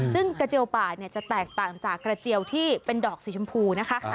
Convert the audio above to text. ซึ่งกระเจียวป่าเนี่ยจะแตกต่างจากกระเจียวที่เป็นดอกสีชมพูนะคะ